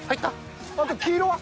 あと黄色は？